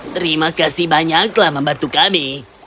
terima kasih banyak telah membantu kami